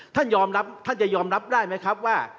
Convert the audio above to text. ท่านยอมรับท่านจะยอมรับได้ไหมครับว่า